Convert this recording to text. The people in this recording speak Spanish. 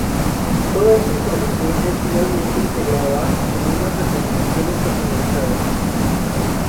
Toda esta información es finalmente integrada en unas recomendaciones personalizadas.